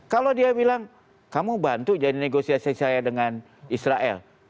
kalau dia bilang kamu bantu jadi negosiasi saya dengan israel